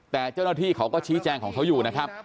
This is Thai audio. แต่เจ้าหน้าที่เขาก็ชี้แจงของเขาอยู่นะครับ